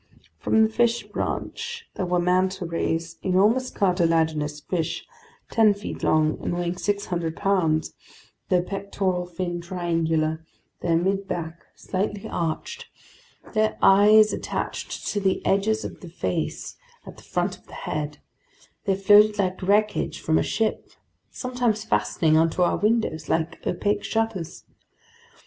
From the fish branch there were manta rays, enormous cartilaginous fish ten feet long and weighing 600 pounds, their pectoral fin triangular, their midback slightly arched, their eyes attached to the edges of the face at the front of the head; they floated like wreckage from a ship, sometimes fastening onto our windows like opaque shutters.